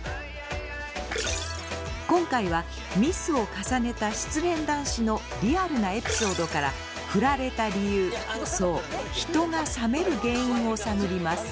今回はミスを重ねた失恋男子のリアルなエピソードからフラれた理由そう人が冷める原因を探ります。